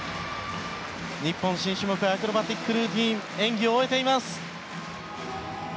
日本、新種目アクロバティックルーティン演技を終えています。